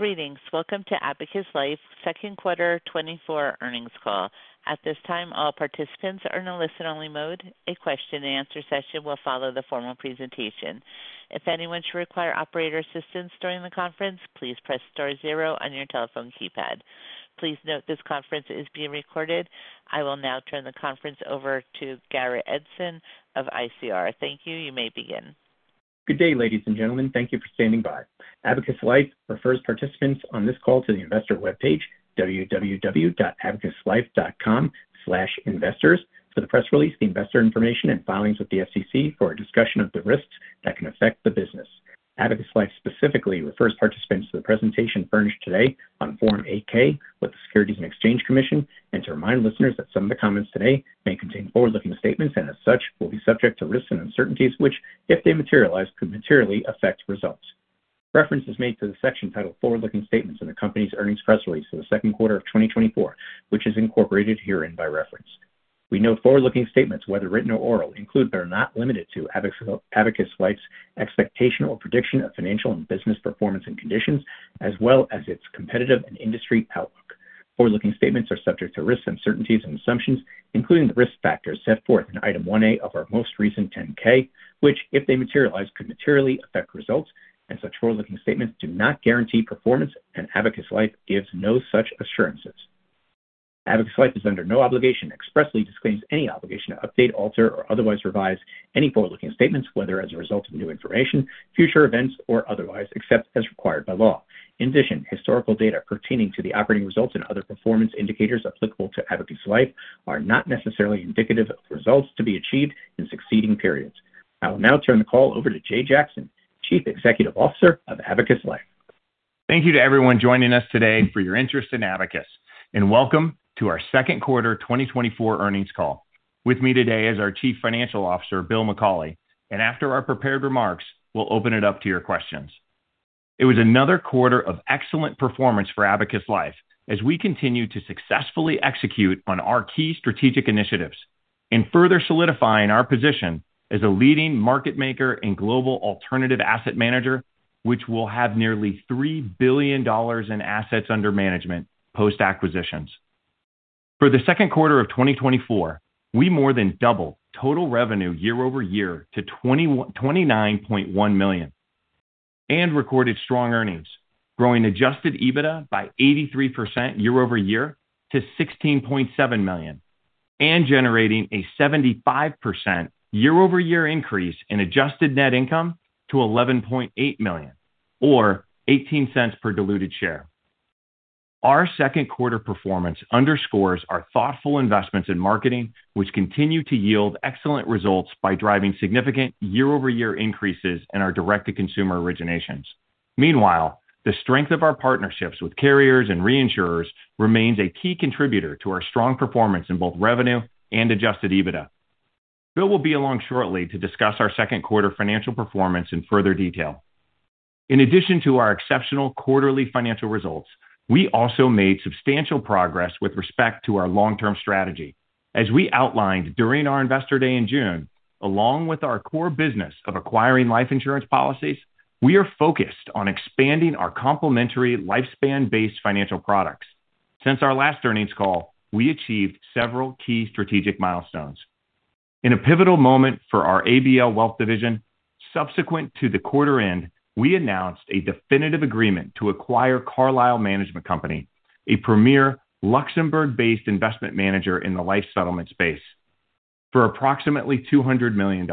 Greetings. Welcome to Abacus Life's Second Quarter 2024 Earnings Call. At this time, all participants are in a listen-only mode. A question-and-answer session will follow the formal presentation. If anyone should require operator assistance during the conference, please press star zero on your telephone keypad. Please note this conference is being recorded. I will now turn the conference over to Garrett Edson of ICR. Thank you. You may begin. Good day, ladies and gentlemen. Thank you for standing by. Abacus Life refers participants on this call to the investor webpage, www.abacuslife.com/investors, for the press release, the investor information and filings with the SEC for a discussion of the risks that can affect the business. Abacus Life specifically refers participants to the presentation furnished today on Form 8-K with the U.S. Securities and Exchange Commission, and to remind listeners that some of the comments today may contain forward-looking statements and as such, will be subject to risks and uncertainties, which, if they materialize, could materially affect results. Reference is made to the section titled Forward-Looking Statements in the company's earnings press release for the second quarter of 2024, which is incorporated herein by reference. We note forward-looking statements, whether written or oral, include but are not limited to Abacus, Abacus Life's expectational prediction of financial and business performance and conditions, as well as its competitive and industry outlook. Forward-looking statements are subject to risks, uncertainties, and assumptions, including the risk factors set forth in Item 1A of our most recent 10-K, which, if they materialize, could materially affect results, and such forward-looking statements do not guarantee performance, and Abacus Life gives no such assurances. Abacus Life is under no obligation, and expressly disclaims any obligation to update, alter, or otherwise revise any forward-looking statements, whether as a result of new information, future events, or otherwise, except as required by law. In addition, historical data pertaining to the operating results and other performance indicators applicable to Abacus Life are not necessarily indicative of results to be achieved in succeeding periods. I will now turn the call over to Jay Jackson, Chief Executive Officer of Abacus Life. Thank you to everyone joining us today for your interest in Abacus, and welcome to our Second Quarter 2024 Earnings Call. With me today is our Chief Financial Officer, Bill McCauley, and after our prepared remarks, we'll open it up to your questions. It was another quarter of excellent performance for Abacus Life as we continue to successfully execute on our key strategic initiatives and further solidifying our position as a leading market maker and global alternative asset manager, which will have nearly $3 billion in assets under management post-acquisitions. For the second quarter of 2024, we more than doubled total revenue year-over-year to $29.1 million, and recorded strong earnings, growing Adjusted EBITDA by 83% year-over-year to $16.7 million, and generating a 75% year-over-year increase in Adjusted Net Income to $11.8 million or $0.18 per diluted share. Our second quarter performance underscores our thoughtful investments in marketing, which continue to yield excellent results by driving significant year-over-year increases in our direct-to-consumer originations. Meanwhile, the strength of our partnerships with carriers and reinsurers remains a key contributor to our strong performance in both revenue and Adjusted EBITDA. Bill will be along shortly to discuss our second quarter financial performance in further detail. In addition to our exceptional quarterly financial results, we also made substantial progress with respect to our long-term strategy. As we outlined during our Investor Day in June, along with our core business of acquiring life insurance policies, we are focused on expanding our complementary lifespan-based financial products. Since our last earnings call, we achieved several key strategic milestones. In a pivotal moment for our ABL Wealth division, subsequent to the quarter end, we announced a definitive agreement to acquire Carlisle Management Company, a premier Luxembourg-based investment manager in the life settlement space, for approximately $200 million.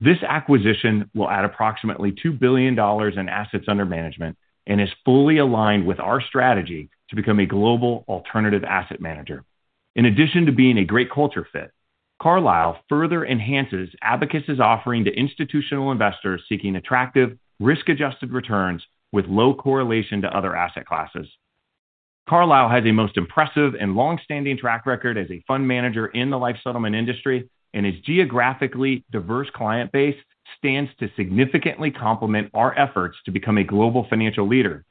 This acquisition will add approximately $2 billion in assets under management and is fully aligned with our strategy to become a global alternative asset manager. In addition to being a great culture fit, Carlisle further enhances Abacus's offering to institutional investors seeking attractive, risk-adjusted returns with low correlation to other asset classes. Carlisle has a most impressive and long-standing track record as a fund manager in the life settlement industry, and its geographically diverse client base stands to significantly complement our efforts to become a global financial leader.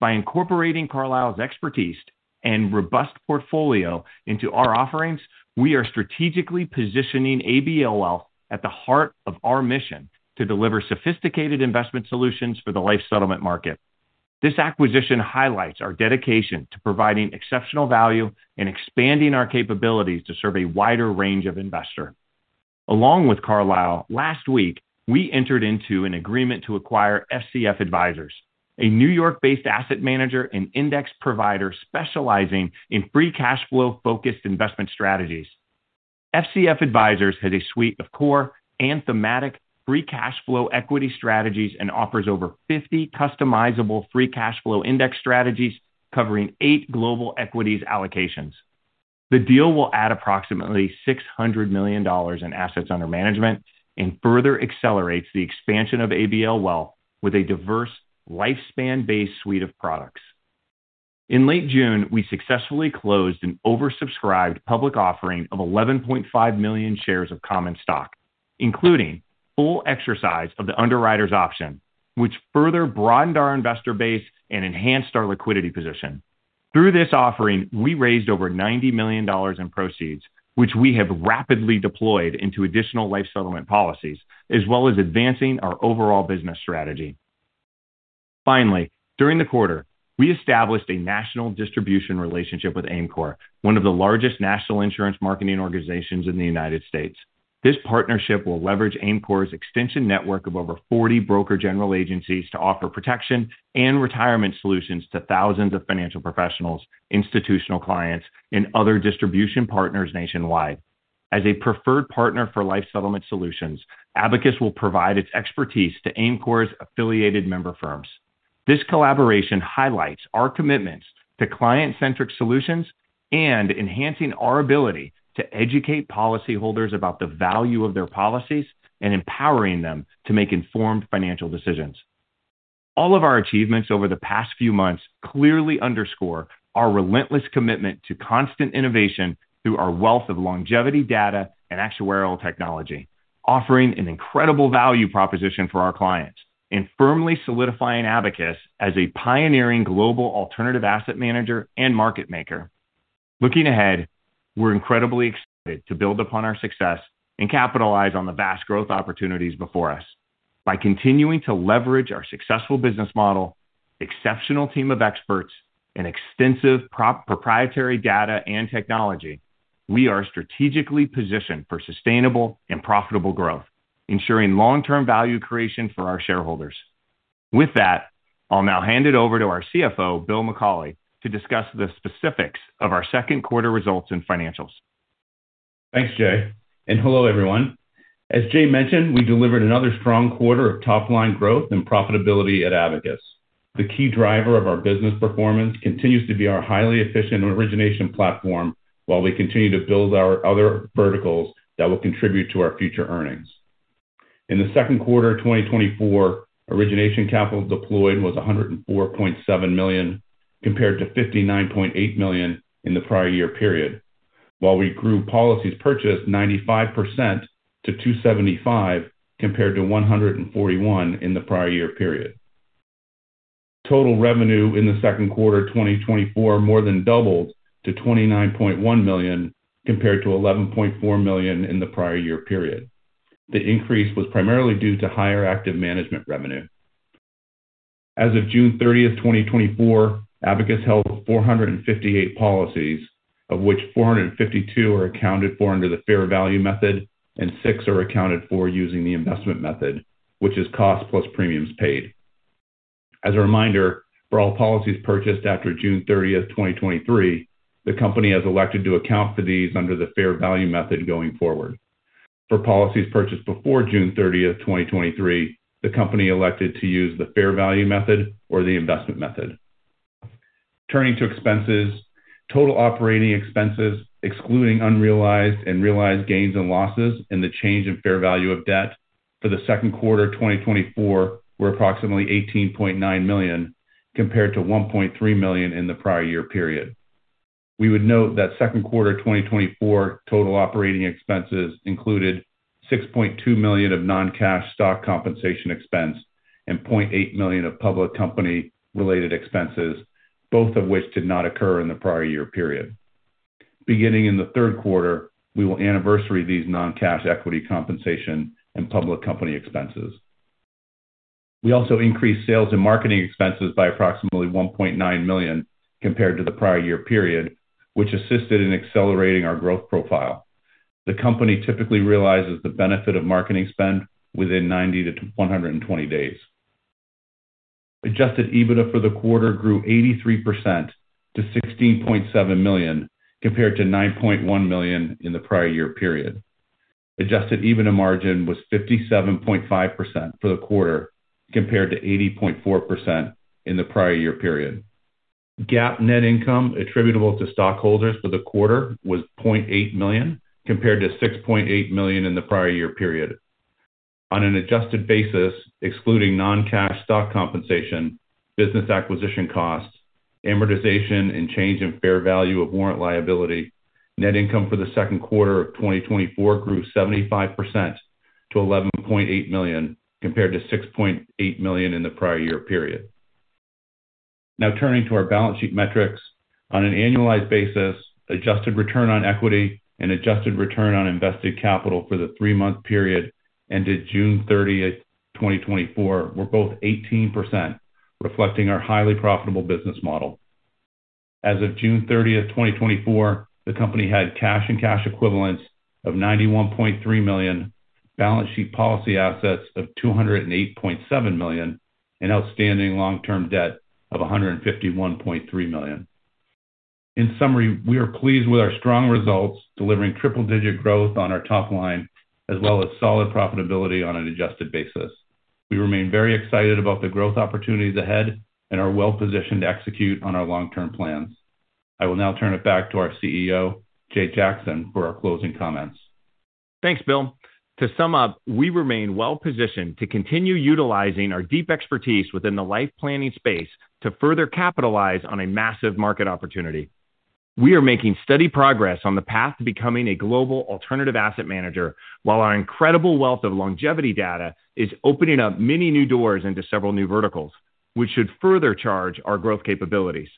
By incorporating Carlisle's expertise and robust portfolio into our offerings, we are strategically positioning ABL Wealth at the heart of our mission to deliver sophisticated investment solutions for the life settlement market. This acquisition highlights our dedication to providing exceptional value and expanding our capabilities to serve a wider range of investors. Along with Carlisle, last week, we entered into an agreement to acquire FCF Advisors, a New York-based asset manager and index provider specializing in free cash flow-focused investment strategies. FCF Advisors has a suite of core and thematic free cash flow equity strategies and offers over 50 customizable free cash flow index strategies covering 8 global equities allocations. The deal will add approximately $600 million in assets under management and further accelerates the expansion of ABL Wealth with a diverse, lifespan-based suite of products. In late June, we successfully closed an oversubscribed public offering of 11.5 million shares of common stock, including full exercise of the underwriter's option, which further broadened our investor base and enhanced our liquidity position. Through this offering, we raised over $90 million in proceeds, which we have rapidly deployed into additional life settlement policies, as well as advancing our overall business strategy. Finally, during the quarter, we established a national distribution relationship with AIMCOR, one of the largest national insurance marketing organizations in the United States. This partnership will leverage AIMCOR's extension network of over 40 broker general agencies to offer protection and retirement solutions to thousands of financial professionals, institutional clients, and other distribution partners nationwide. As a preferred partner for life settlement solutions, Abacus will provide its expertise to AIMCOR's affiliated member firms. This collaboration highlights our commitments to client-centric solutions and enhancing our ability to educate policyholders about the value of their policies and empowering them to make informed financial decisions. All of our achievements over the past few months clearly underscore our relentless commitment to constant innovation through our wealth of longevity data and actuarial technology, offering an incredible value proposition for our clients and firmly solidifying Abacus as a pioneering global alternative asset manager and market maker. Looking ahead, we're incredibly excited to build upon our success and capitalize on the vast growth opportunities before us. By continuing to leverage our successful business model, exceptional team of experts, and extensive proprietary data and technology, we are strategically positioned for sustainable and profitable growth, ensuring long-term value creation for our shareholders. With that, I'll now hand it over to our Chief Financial Officer, Bill McCauley, to discuss the specifics of our second quarter results and financials. Thanks, Jay, and hello, everyone. As Jay mentioned, we delivered another strong quarter of top-line growth and profitability at Abacus. The key driver of our business performance continues to be our highly efficient origination platform, while we continue to build our other verticals that will contribute to our future earnings. In the second quarter of 2024, origination capital deployed was $104.7 million, compared to $59.8 million in the prior year period. While we grew policies purchased 95% to 275, compared to 141 in the prior year period. Total revenue in the second quarter of 2024 more than doubled to $29.1 million, compared to $11.4 million in the prior year period. The increase was primarily due to higher active management revenue. As of June 30, 2024, Abacus held 458 policies, of which 452 are accounted for under the fair value method, and 6 are accounted for using the investment method, which is cost plus premiums paid. As a reminder, for all policies purchased after June 30, 2023, the company has elected to account for these under the fair value method going forward. For policies purchased before June 30, 2023, the company elected to use the fair value method or the investment method. Turning to expenses, total operating expenses, excluding unrealized and realized gains and losses, and the change in fair value of debt for the second quarter of 2024 were approximately $18.9 million, compared to $1.3 million in the prior year period. We would note that second quarter 2024 total operating expenses included $6.2 million of non-cash stock compensation expense and $0.8 million of public company-related expenses, both of which did not occur in the prior year period. Beginning in the third quarter, we will anniversary these non-cash equity compensation and public company expenses. We also increased sales and marketing expenses by approximately $1.9 million compared to the prior year period, which assisted in accelerating our growth profile. The company typically realizes the benefit of marketing spend within 90-120 days. Adjusted EBITDA for the quarter grew 83% to $16.7 million, compared to $9.1 million in the prior year period. Adjusted EBITDA margin was 57.5% for the quarter, compared to 80.4% in the prior year period. GAAP net income attributable to stockholders for the quarter was $0.8 million, compared to $6.8 million in the prior year period. On an adjusted basis, excluding non-cash stock compensation, business acquisition costs, amortization, and change in fair value of warrant liability, net income for the second quarter of 2024 grew 75% to $11.8 million, compared to $6.8 million in the prior year period. Now turning to our balance sheet metrics. On an annualized basis, Adjusted Return on Equity and Adjusted Return on Invested Capital for the three-month period ended June 30, 2024, were both 18%, reflecting our highly profitable business model. As of June 30, 2024, the company had cash and cash equivalents of $91.3 million, balance sheet policy assets of $208.7 million, and outstanding long-term debt of $151.3 million. In summary, we are pleased with our strong results, delivering triple-digit growth on our top line, as well as solid profitability on an adjusted basis. We remain very excited about the growth opportunities ahead and are well-positioned to execute on our long-term plans. I will now turn it back to our Chief Executive Officer, Jay Jackson, for our closing comments. Thanks, Bill. To sum up, we remain well-positioned to continue utilizing our deep expertise within the life planning space to further capitalize on a massive market opportunity. ... We are making steady progress on the path to becoming a global alternative asset manager, while our incredible wealth of longevity data is opening up many new doors into several new verticals, which should further charge our growth capabilities.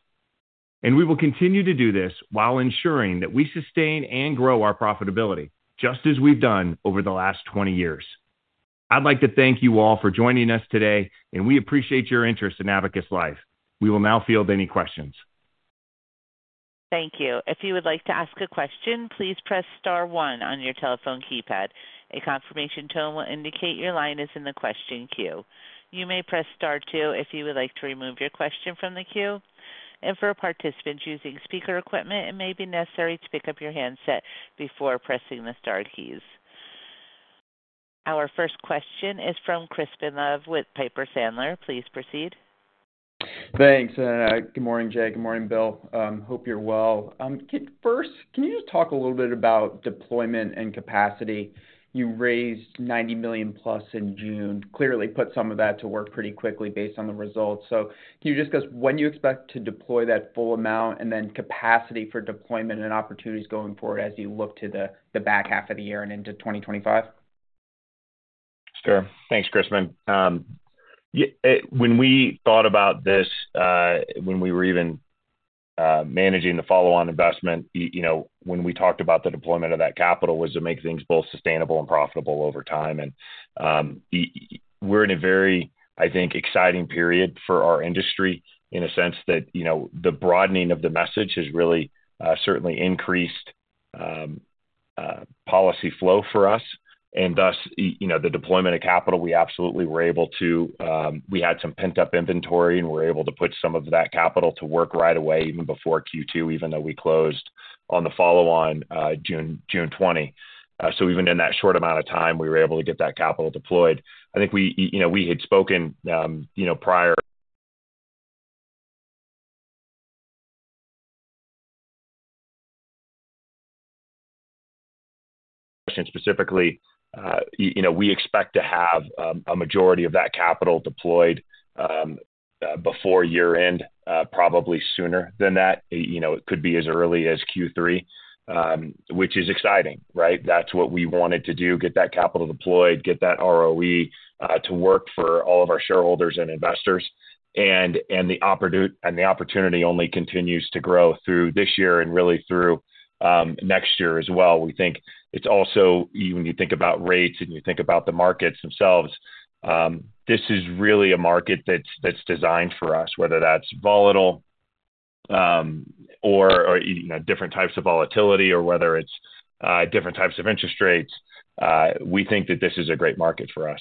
We will continue to do this while ensuring that we sustain and grow our profitability, just as we've done over the last 20 years. I'd like to thank you all for joining us today, and we appreciate your interest in Abacus Life. We will now field any questions. Thank you. If you would like to ask a question, please press star one on your telephone keypad. A confirmation tone will indicate your line is in the question queue. You may press star two if you would like to remove your question from the queue. For participants using speaker equipment, it may be necessary to pick up your handset before pressing the star keys. Our first question is from Crispin Love with Piper Sandler. Please proceed. Thanks, good morning, Jay. Good morning, Bill. Hope you're well. First, can you just talk a little bit about deployment and capacity? You raised $90 million plus in June, clearly put some of that to work pretty quickly based on the results. So can you just discuss when you expect to deploy that full amount and then capacity for deployment and opportunities going forward as you look to the back half of the year and into 2025? Sure. Thanks, Crispin. When we thought about this, when we were even managing the follow-on investment, you know, when we talked about the deployment of that capital, was to make things both sustainable and profitable over time. And we're in a very, I think, exciting period for our industry in a sense that, you know, the broadening of the message has really certainly increased policy flow for us. And thus, you know, the deployment of capital, we absolutely were able to. We had some pent-up inventory and were able to put some of that capital to work right away, even before Q2, even though we closed on the follow-on June 20. So even in that short amount of time, we were able to get that capital deployed. I think we you know, we had spoken, you know, prior. Specifically, you know, we expect to have a majority of that capital deployed before year-end, probably sooner than that. You know, it could be as early as Q3, which is exciting, right? That's what we wanted to do, get that capital deployed, get that ROE to work for all of our shareholders and investors, and the opportunity only continues to grow through this year and really through next year as well. We think it's also, when you think about rates and you think about the markets themselves, this is really a market that's designed for us, whether that's volatile or you know, different types of volatility or whether it's different types of interest rates. We think that this is a great market for us.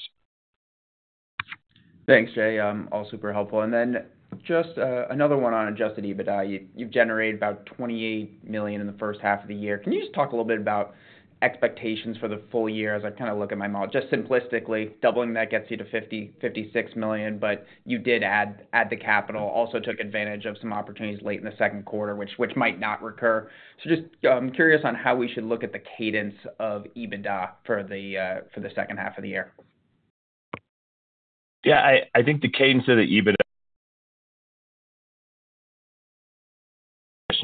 Thanks, Jay. All super helpful. And then just another one on Adjusted EBITDA. You've generated about $28 million in the first half of the year. Can you just talk a little bit about expectations for the full year as I kind of look at my model? Just simplistically, doubling that gets you to $56 million, but you did add the capital, also took advantage of some opportunities late in the second quarter, which might not recur. So just curious on how we should look at the cadence of EBITDA for the second half of the year. Yeah, I think the cadence of the EBITDA...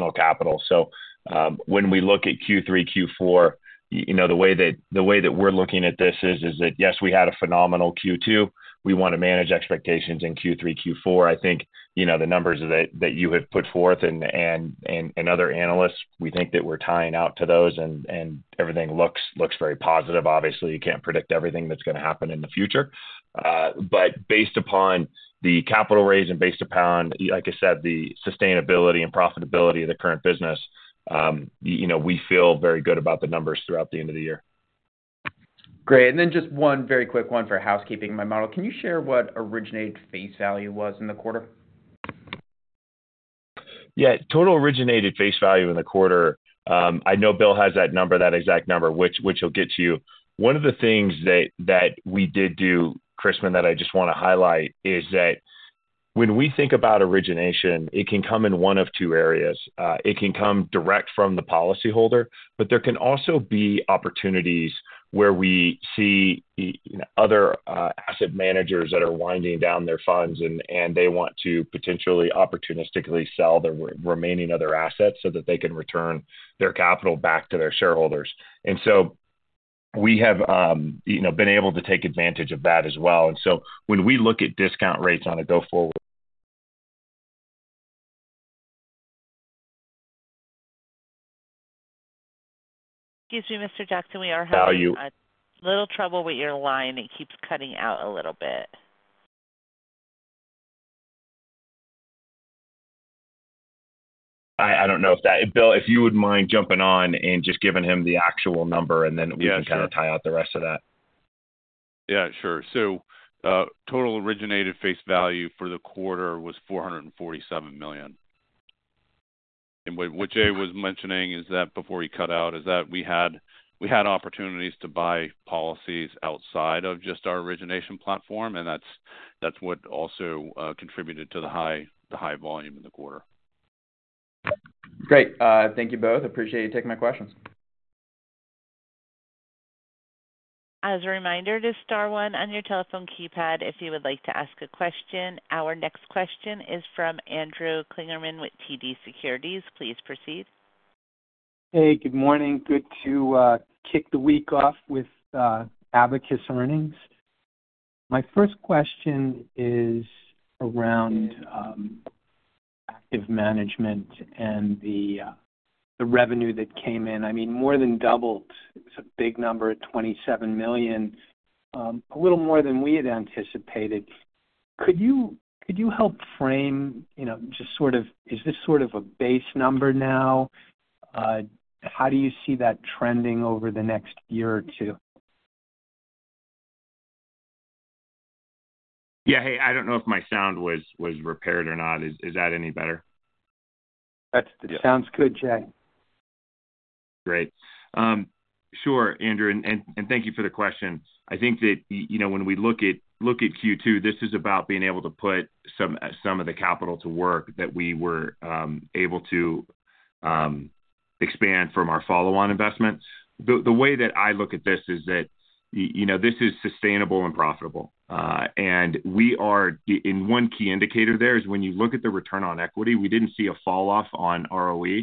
additional capital. So, when we look at Q3, Q4, you know, the way that we're looking at this is that, yes, we had a phenomenal Q2. We want to manage expectations in Q3, Q4. I think, you know, the numbers that you have put forth and other analysts, we think that we're tying out to those and everything looks very positive. Obviously, you can't predict everything that's going to happen in the future. But based upon the capital raise and based upon, like I said, the sustainability and profitability of the current business, you know, we feel very good about the numbers throughout the end of the year. Great. And then just one very quick one for housekeeping in my model. Can you share what originated face value was in the quarter? Yeah, total originated face value in the quarter. I know Bill has that number, that exact number, which he'll get to you. One of the things that we did do, Crispin, that I just want to highlight is that when we think about origination, it can come in one of two areas. It can come direct from the policyholder, but there can also be opportunities where we see you know, other asset managers that are winding down their funds and they want to potentially opportunistically sell the remaining other assets so that they can return their capital back to their shareholders. And so we have, you know, been able to take advantage of that as well. And so when we look at discount rates on a go-forward- Excuse me, Mr. Jackson, we are having a little trouble with your line. It keeps cutting out a little bit. I don't know if that... Bill, if you would mind jumping on and just giving him the actual number, and then- Yeah, sure. We can kind of tie out the rest of that. Yeah, sure. So, total originated face value for the quarter was $447 million. And what Jay was mentioning is that, before he cut out, is that we had opportunities to buy policies outside of just our origination platform, and that's what also contributed to the high volume in the quarter. Great. Thank you both. Appreciate you taking my questions. As a reminder to star one on your telephone keypad if you would like to ask a question. Our next question is from Andrew Kligerman with TD Securities. Please proceed. Hey, good morning. Good to kick the week off with Abacus earnings. My first question is around active management and the revenue that came in. I mean, more than doubled. It's a big number at $27 million, a little more than we had anticipated. Could you help frame, you know, just sort of, is this sort of a base number now? How do you see that trending over the next year or two? Yeah, hey, I don't know if my sound was repaired or not. Is that any better? That sounds good, Jay. Great. Sure, Andrew, and thank you for the question. I think that you know, when we look at Q2, this is about being able to put some of the capital to work that we were able to expand from our follow-on investments. The way that I look at this is that you know, this is sustainable and profitable. And we are the... And one key indicator there is when you look at the return on equity, we didn't see a falloff on ROE.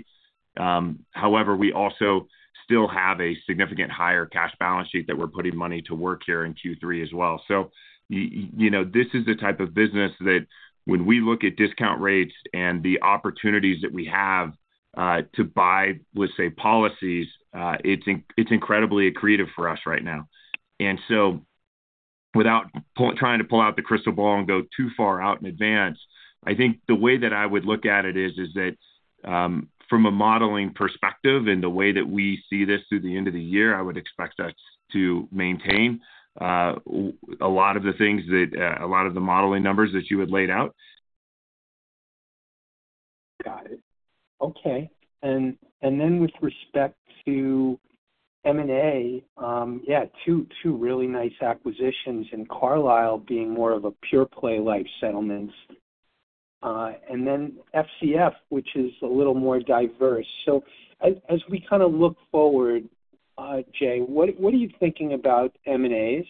However, we also still have a significant higher cash balance sheet that we're putting money to work here in Q3 as well. So you know, this is the type of business that when we look at discount rates and the opportunities that we have to buy, let's say, policies, it's incredibly accretive for us right now. And so without trying to pull out the crystal ball and go too far out in advance, I think the way that I would look at it is that from a modeling perspective and the way that we see this through the end of the year, I would expect us to maintain a lot of the things that a lot of the modeling numbers that you had laid out. Got it. Okay. And then with respect to M&A, yeah, 2 really nice acquisitions, and Carlisle being more of a pure play like settlements, and then FCF, which is a little more diverse. So as we kind of look forward, Jay, what are you thinking about M&As,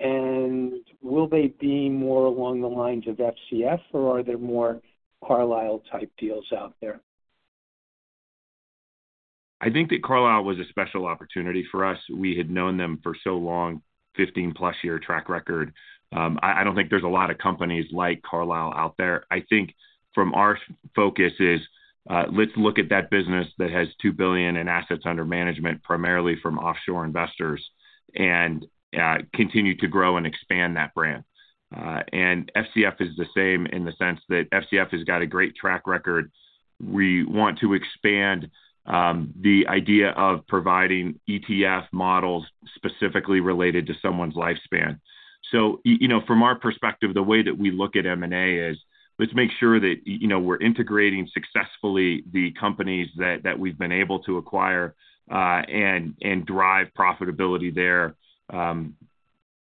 and will they be more along the lines of FCF, or are there more Carlisle-type deals out there? I think that Carlisle was a special opportunity for us. We had known them for so long, 15+ year track record. I don't think there's a lot of companies like Carlisle out there. I think from our focus is, let's look at that business that has $2 billion in assets under management, primarily from offshore investors, and continue to grow and expand that brand. And FCF is the same in the sense that FCF has got a great track record. We want to expand the idea of providing ETF models specifically related to someone's lifespan. So you know, from our perspective, the way that we look at M&A is, let's make sure that, you know, we're integrating successfully the companies that we've been able to acquire, and drive profitability there,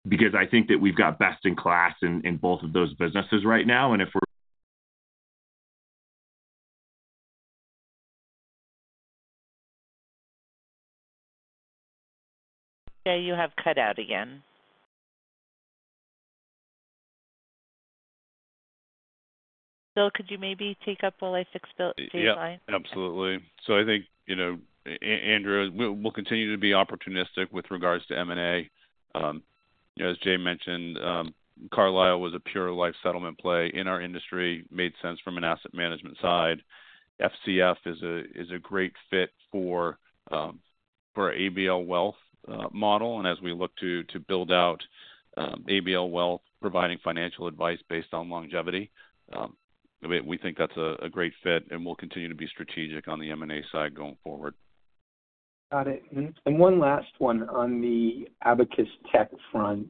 because I think that we've got best in class in both of those businesses right now, and if we're- Jay, you have cut out again. Bill, could you maybe take up while I fix Jay's line? Yeah, absolutely. So I think, you know, Andrew, we'll continue to be opportunistic with regards to M&A. You know, as Jay mentioned, Carlisle was a pure life settlement play in our industry, made sense from an asset management side. FCF is a great fit for ABL Wealth model. And as we look to build out ABL Wealth, providing financial advice based on longevity, we think that's a great fit, and we'll continue to be strategic on the M&A side going forward. Got it. And, and one last one on the Abacus tech front.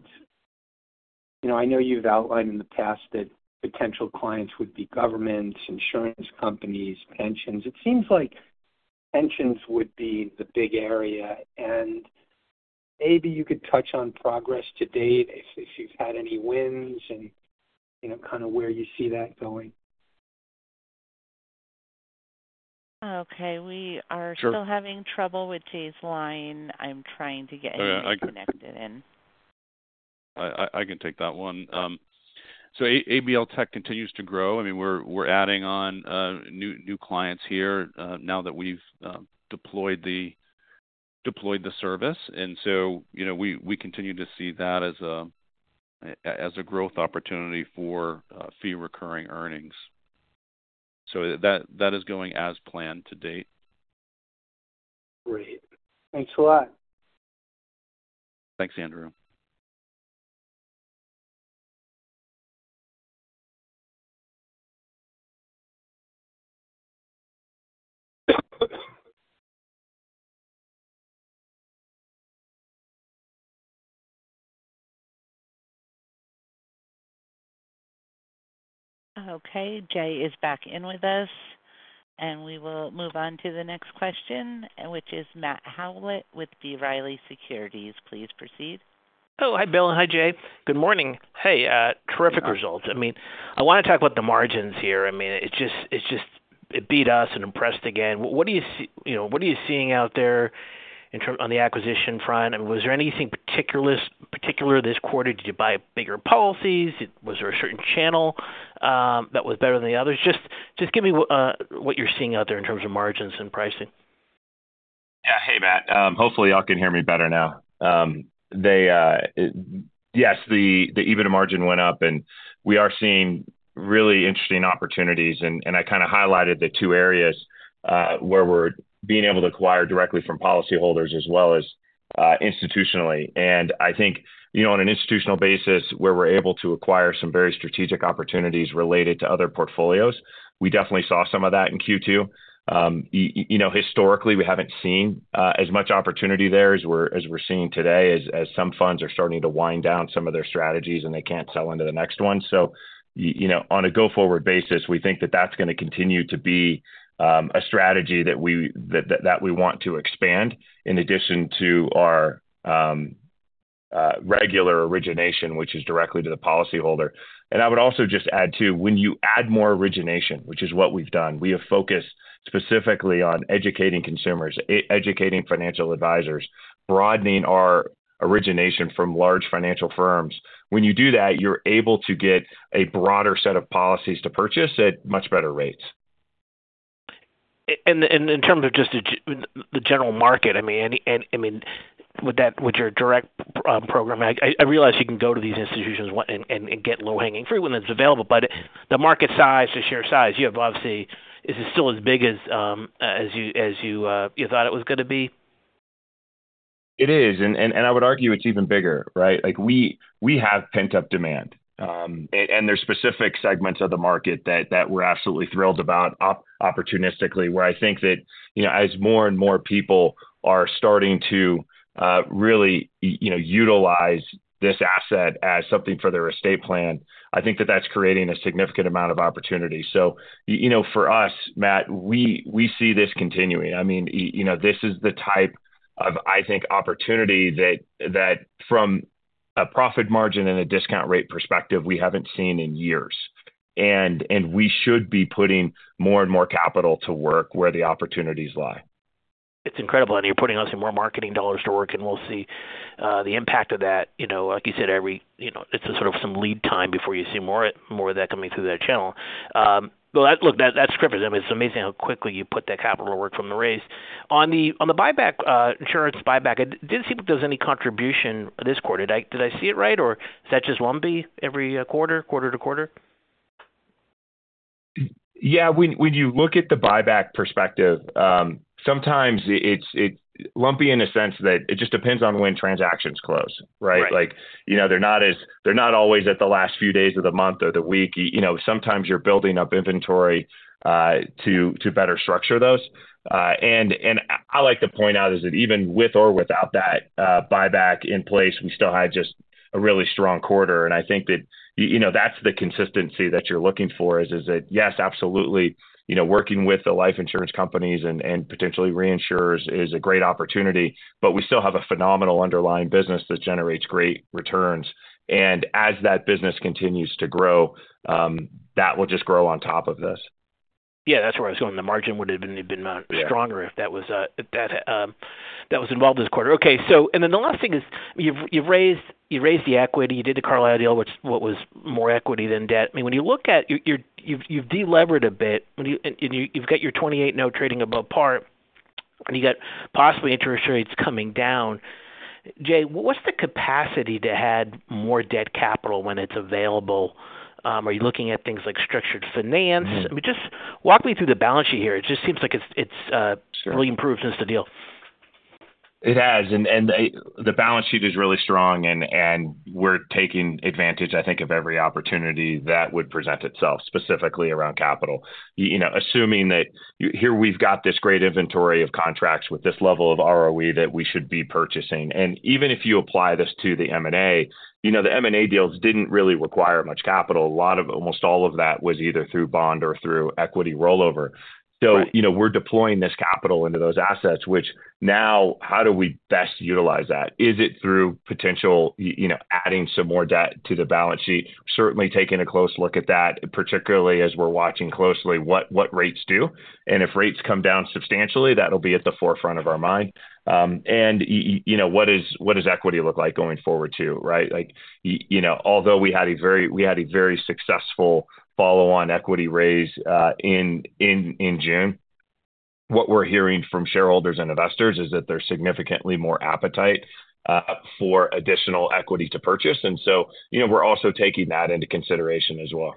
You know, I know you've outlined in the past that potential clients would be governments, insurance companies, pensions. It seems like pensions would be the big area, and maybe you could touch on progress to date, if, if you've had any wins and, you know, kind of where you see that going. Okay. We are- Sure. Still having trouble with Jay's line. I'm trying to get him reconnected in. I can take that one. So ABL Tech continues to grow. I mean, we're adding on new clients here now that we've deployed the service. And so, you know, we continue to see that as a growth opportunity for fee recurring earnings. So that is going as planned to date. Great. Thanks a lot. Thanks, Andrew. Okay, Jay is back in with us, and we will move on to the next question, which is Matt Howlett with B. Riley Securities. Please proceed. Oh, hi, Bill, and hi, Jay. Good morning. Hey, terrific results. I mean, I want to talk about the margins here. I mean, it's just it beat us and impressed again. What do you see, you know, what are you seeing out there in terms on the acquisition front? I mean, was there anything particular this quarter? Did you buy bigger policies? Was there a certain channel that was better than the others? Just give me what you're seeing out there in terms of margins and pricing. Yeah. Hey, Matt, hopefully, y'all can hear me better now. Yes, the EBITDA margin went up, and we are seeing really interesting opportunities, and I kinda highlighted the two areas where we're being able to acquire directly from policyholders as well as institutionally. And I think, you know, on an institutional basis, where we're being able to acquire some very strategic opportunities related to other portfolios, we definitely saw some of that in Q2. You know, historically, we haven't seen as much opportunity there as we're seeing today, as some funds are starting to wind down some of their strategies, and they can't sell into the next one. So you know, on a go-forward basis, we think that that's gonna continue to be a strategy that we want to expand in addition to our regular origination, which is directly to the policyholder. And I would also just add, too, when you add more origination, which is what we've done, we have focused specifically on educating consumers, educating financial advisors, broadening our origination from large financial firms. When you do that, you're able to get a broader set of policies to purchase at much better rates. And in terms of just the general market, I mean, with that, with your direct program, I realize you can go to these institutions and get low-hanging fruit when it's available, but the market size, the share size, you have obviously... Is it still as big as you thought it was gonna be? It is, and I would argue it's even bigger, right? Like, we have pent-up demand, and there's specific segments of the market that we're absolutely thrilled about opportunistically, where I think that, you know, as more and more people are starting to really, you know, utilize this asset as something for their estate plan, I think that that's creating a significant amount of opportunity. So you know, for us, Matt, we see this continuing. I mean, you know, this is the type of, I think, opportunity that from a profit margin and a discount rate perspective, we haven't seen in years. And we should be putting more and more capital to work where the opportunities lie. It's incredible, and you're putting, obviously, more marketing dollars to work, and we'll see the impact of that. You know, like you said, every, you know, it's a sort of some lead time before you see more, more of that coming through that channel. Well, look, that's great, but it's amazing how quickly you put that capital to work from the raise. On the buyback, insurance buyback, it didn't seem there was any contribution this quarter. Did I see it right, or is that just lumpy every quarter, quarter to quarter? Yeah, when you look at the buyback perspective, sometimes it's lumpy in a sense that it just depends on when transactions close, right? Right. Like, you know, they're not always at the last few days of the month or the week. You know, sometimes you're building up inventory, to, to better structure those. And I like to point out is that even with or without that, buyback in place, we still had just a really strong quarter, and I think that, you know, that's the consistency that you're looking for, is, is that, yes, absolutely, you know, working with the life insurance companies and, and potentially reinsurers is a great opportunity, but we still have a phenomenal underlying business that generates great returns. And as that business continues to grow, that will just grow on top of this. Yeah, that's where I was going. The margin would have been- Yeah Stronger if that was involved this quarter. Okay, so and then the last thing is, you've raised the equity, you did the Carlisle deal, which was more equity than debt. I mean, when you look at... You've delivered a bit, and you've got your 28 note trading above par, and you got possibly interest rates coming down. Jay, what's the capacity to add more debt capital when it's available? Are you looking at things like structured finance? Mm-hmm. I mean, just walk me through the balance sheet here. It just seems like it's, Sure Really improved since the deal. It has, and the balance sheet is really strong, and we're taking advantage, I think, of every opportunity that would present itself, specifically around capital. You know, assuming that here we've got this great inventory of contracts with this level of ROE that we should be purchasing. And even if you apply this to the M&A, you know, the M&A deals didn't really require much capital. A lot of, almost all of that was either through bond or through equity rollover. Right. So, you know, we're deploying this capital into those assets, which now how do we best utilize that? Is it through potential, you know, adding some more debt to the balance sheet? Certainly taking a close look at that, particularly as we're watching closely what, what rates do. And if rates come down substantially, that'll be at the forefront of our mind. And you know, what does, what does equity look like going forward, too, right? Like, you know, although we had a very successful follow-on equity raise, in June, what we're hearing from shareholders and investors is that there's significantly more appetite, for additional equity to purchase. And so, you know, we're also taking that into consideration as well.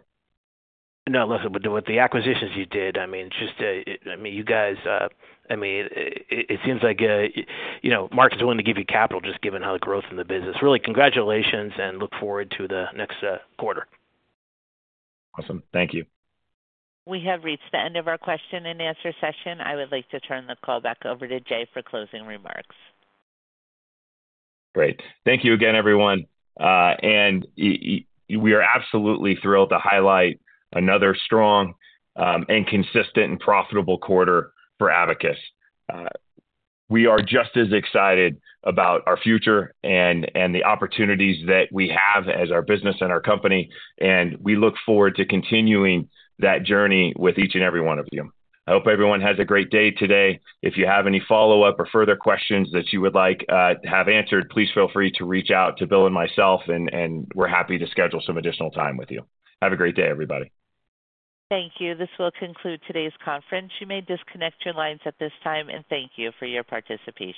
No, listen, but with the acquisitions you did, I mean, just, I mean, it seems like, you know, markets are willing to give you capital just given how the growth in the business. Really, congratulations, and look forward to the next quarter. Awesome. Thank you. We have reached the end of our question-and-answer session. I would like to turn the call back over to Jay for closing remarks. Great. Thank you again, everyone. We are absolutely thrilled to highlight another strong and consistent and profitable quarter for Abacus. We are just as excited about our future and the opportunities that we have as our business and our company, and we look forward to continuing that journey with each and every one of you. I hope everyone has a great day today. If you have any follow-up or further questions that you would like have answered, please feel free to reach out to Bill and myself, and we're happy to schedule some additional time with you. Have a great day, everybody. Thank you. This will conclude today's conference. You may disconnect your lines at this time, and thank you for your participation.